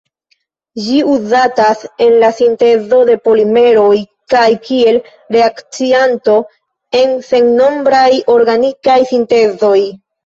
Ĝi uzatas en la sintezo de polimeroj kaj kiel reakcianto en sennombraj organikaj sintezoj.